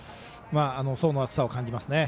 層の厚さを感じます。